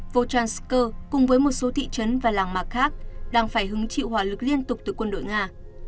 vochansk cùng với một số thị trấn và làng mạc khác đang phải hứng chịu hỏa lực liên tục từ quân đội nga